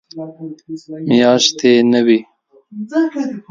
میاشتې نه وي.